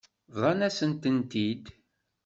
Bḍant-asent-tent-id.